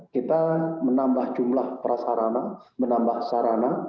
kita menambah jumlah prasarana menambah sarana